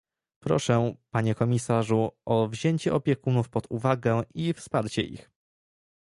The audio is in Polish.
Proszę, panie komisarzu, o wzięcie opiekunów pod uwagę i wsparcie ich